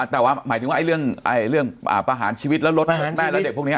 แต่ว่าหมายถึงว่าเรื่องประหารชีวิตแล้วลดแทงแม่แล้วเด็กพวกนี้